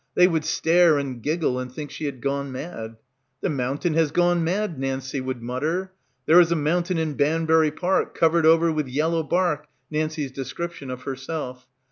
They would stare and giggle and think she had gone mad. "The mountain has gone mad," Nancie would mutter. "There is a mountain in Banbury Park, covered over with yellow bark," Nancie's descrip tion of herself.